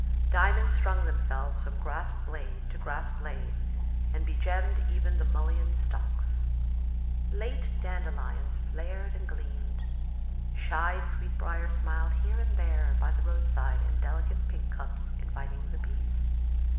Diamonds strung themselves from grass blade to grass blade, and begemmed even the mullein stalks. Late dandelions flared and gleamed, shy sweet brier smiled here and there by the roadside in delicate pink cups, inviting the bees.